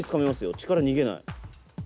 力逃げない。